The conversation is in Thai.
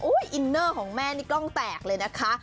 อินเนอร์ของแม่นี่กล้องแตกเลยนะคะ